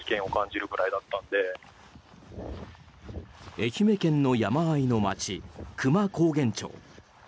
愛媛県の山あいの町久万高原町。